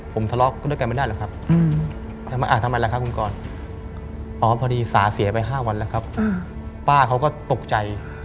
ผมทะเลาะกับเขาไม่ได้หรือครับทำไมล่ะคะคุณกร